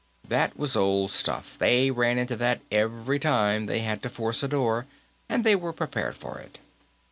That was old stuff; they ran into that every time they had to force a door, and they were prepared for it.